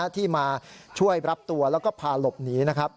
ที่มาช่วยรับตัวแล้วก็พาหลบหนี